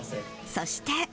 そして。